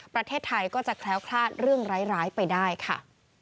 ประเทศไทยก็จะแคล้วคลาดเรื่องร้ายไปได้ค่ะ